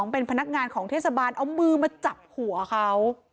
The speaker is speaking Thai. เป็นพนักงานของเทศบาลเอามือมาจับหัวเขา